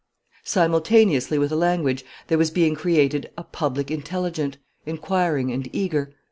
Simultaneously with the language there was being created a public intelligent, inquiring, and eager.